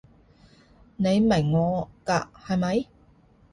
你明我㗎係咪？